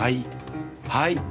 はい。